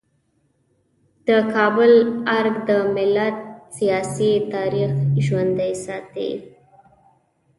د کابل ارګ د ملت سیاسي تاریخ ژوندی ساتي.